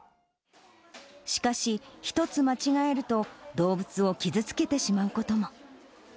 しかし、一つ間違えると、動物を傷つけてしまうことも。